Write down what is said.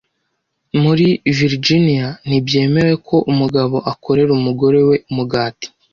Muri Virijiniya ntibyemewe ko umugabo akorera umugore we umugati